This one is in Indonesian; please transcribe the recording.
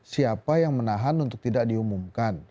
siapa yang menahan untuk tidak diumumkan